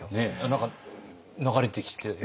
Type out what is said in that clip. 何か流れてきてね。